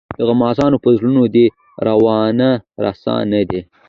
د غمازانو پر زړونو دي وارونه رسا نه دي.